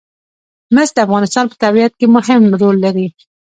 مس د افغانستان په طبیعت کې مهم رول لري.